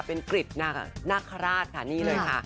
เป็นกริจนาคาราชค่ะนี่เลยค่ะ